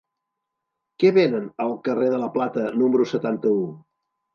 Què venen al carrer de la Plata número setanta-u?